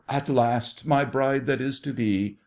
At last, my bride that is to be!